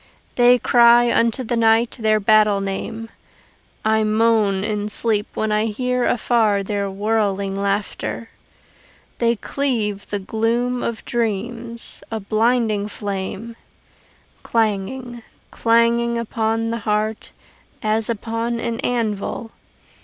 They cry unto the night their battle name: I moan in sleep when I hear afar their whirling laughter. They cleave the gloom of dreams, a blinding flame, Clanging, clanging upon the heart as upon an anvil.